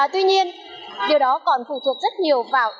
tuy nhiên điều đó còn phụ thuộc rất nhiều vào